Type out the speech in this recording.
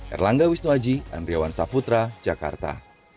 erlangga wisnuwaji andriawan saputra jakarta